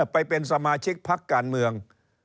ไปเป็นสมาชิกพักการเมือง